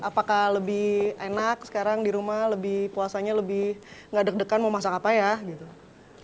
apakah lebih enak sekarang di rumah lebih puasanya lebih nggak deg degan mau masak apa ya gitu